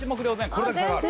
これだけ差がある。